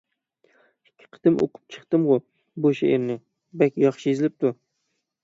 ئىككى قېتىم ئوقۇپ چىقتىمغۇ بۇ شېئىرنى، بەك ياخشى يېزىلىپتۇ.